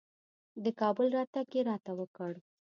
د کابل راتګ یې راته وکړ.